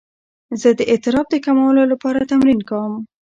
زه د اضطراب د کمولو لپاره تمرین کوم.